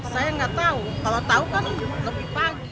saya nggak tahu kalau tahu kan lebih pagi